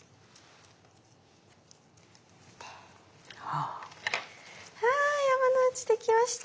あ山之内できました。